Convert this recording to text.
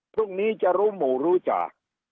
พรุ่งนี้จะรู้หมู่รู้จาก